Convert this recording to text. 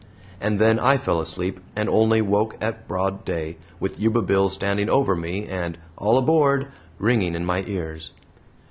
And then I fell asleep and only woke at broad day, with Yuba Bill standing over me, and "All aboard" ringing in my ears.